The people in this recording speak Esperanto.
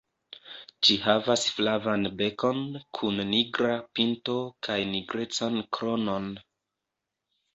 Ĝi havas flavan bekon kun nigra pinto kaj nigrecan kronon.